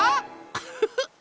ウフフ！